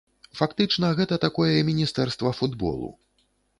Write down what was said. Фактычна гэта такое міністэрства футболу.